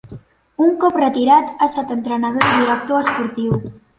Un cop retirat ha estat entrenador i director esportiu.